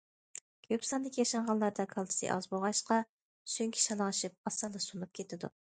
كۆپ ساندىكى ياشانغانلاردا كالتسىي ئاز بولغاچقا، سۆڭىكى شالاڭلىشىپ ئاسانلا سۇنۇپ كېتىدۇ.